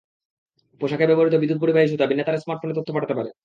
পোশাকে ব্যবহৃত বিদ্যুৎ পরিবাহী সুতা বিনা তারে স্মার্টফোনে তথ্য পাঠাতে পারে।